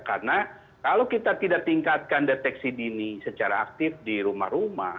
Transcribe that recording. karena kalau kita tidak tingkatkan deteksi dini secara aktif di rumah rumah